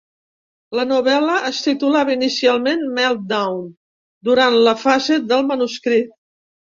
La novel·la es titulava inicialment "Meltdown", durant la fase del manuscrit.